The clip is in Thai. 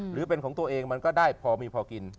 หรือเป็นของตัวเองมันก็ได้พอมีพอกิน